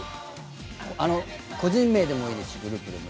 個人名でもいいですしグループでも。